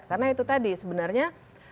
karena itu tadi sebenarnya